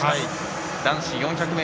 男子４００ｍ。